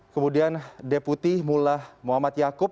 kemudian deputi mullah muhammad yaakub